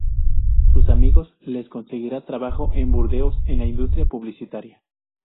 Sus amigos les conseguirán trabajo en Burdeos en la industria publicitaria.